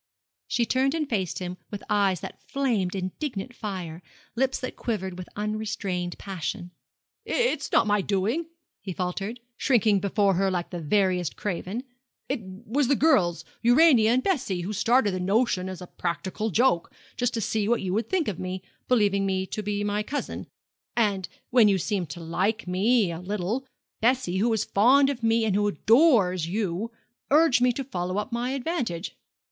She turned and faced him with eyes that flamed indignant fire, lips that quivered with unrestrained passion. 'It was not my doing,' he faltered, shrinking before her like the veriest craven; 'it was the girls Urania and Bessie who started the notion as a practical joke, just to see what you would think of me, believing me to be my cousin. And when you seemed to like me a little Bessie, who is fond of me and who adores you, urged me to follow up my advantage.'